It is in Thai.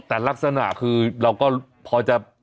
แต่ลักษณะคือเราก็พอจะ